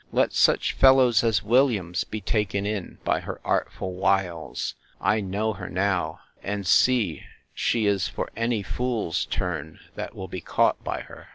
let such fellows as Williams be taken in by her artful wiles! I know her now, and see she is for any fool's turn, that will be caught by her.